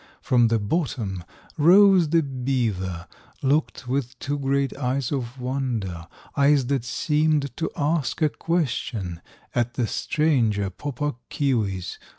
From the bottom rose the beaver, Looked with two great eyes of wonder, Eyes that seemed to ask a question, At the stranger, Pau Puk Keewis.